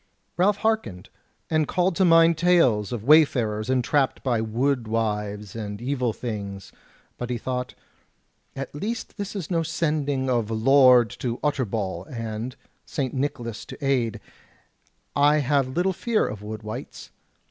Ralph hearkened, and called to mind tales of way farers entrapped by wood wives and evil things; but he thought: "At least this is no sending of the Lord of Utterbol, and, St. Nicholas to aid, I have little fear of wood wights.